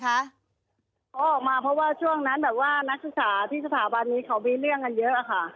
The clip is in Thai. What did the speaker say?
เขาออกมาเพราะว่าช่วงนั้นแบบว่านักศึกษาที่สถาบันนี้เขามีเรื่องกันเยอะอะค่ะ